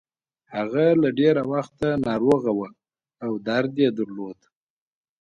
هغه له ډېره وخته ناروغه وه او درد يې درلود.